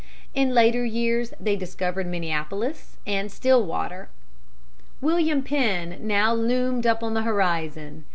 In later years they discovered Minneapolis and Stillwater. William Penn now loomed up on the horizon.